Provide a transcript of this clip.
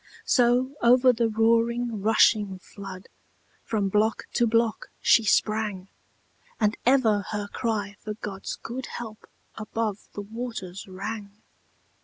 So over the roaring rushing flood, From block to block she sprang, And ever her cry for God's good help Above the waters rang.